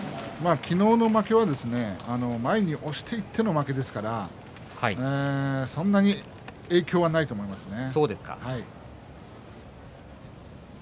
昨日の負けは前に押していっての負けですからそんなに影響はないと思いますね。